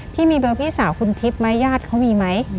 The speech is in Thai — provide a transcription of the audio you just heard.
พี่มีเบอร์พี่สาวคุณทิพย์ไหมญาติเขามีไหม